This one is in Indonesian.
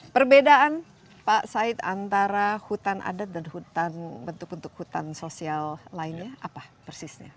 perbedaan pak said antara hutan adat dan bentuk bentuk hutan sosial lainnya apa persisnya